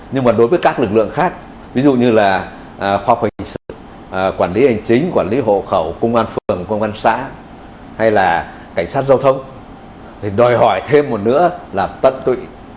nhưng mà đối với các lực lượng khác ví dụ như là khoa học hình sự quản lý hành chính quản lý hộ khẩu công an phường công an xã hay là cảnh sát giao thông thì đòi hỏi thêm một nữa là tận tụy